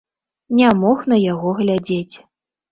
Не мог на яго глядзець.